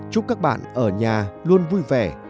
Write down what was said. chúc các bạn ở nhà luôn vui vẻ